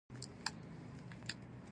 کور د ځان لپاره غوره ځای دی.